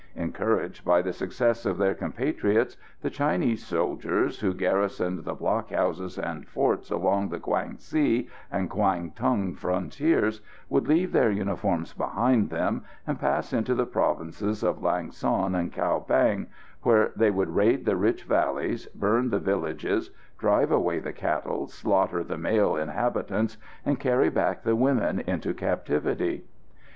Encouraged by the success of their compatriots, the Chinese soldiers, who garrisoned the blockhouses and forts along the Kwang si and Kwang tung frontiers, would leave their uniforms behind them and pass into the provinces of Lang son and Cao Bang, where they would raid the rich valleys, burn the villages, drive away the cattle, slaughter the male inhabitants, and carry back the women into captivity.